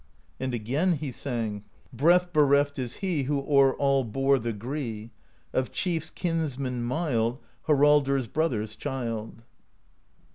And again he sang: Breath bereft is he Who o'er all bore the gree, — Of chiefs kinsman mild, Haraldr's brother's child.